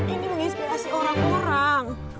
ini menginspirasi orang orang